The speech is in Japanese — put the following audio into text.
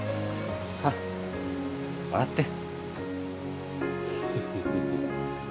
さあ笑って。